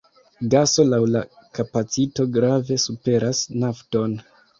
Gaso laŭ la kapacito grave superas nafton.